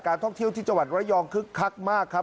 ท่องเที่ยวที่จังหวัดระยองคึกคักมากครับ